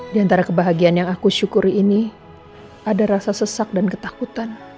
di antara kebahagiaan yang aku syukuri ini ada rasa sesak dan ketakutan